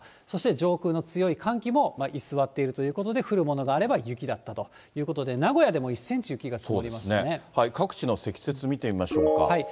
そして上空の強い寒気も居座っているということで、降るものがあれば雪だったということで、名古屋でも１センチ、各地の積雪見てみましょうか。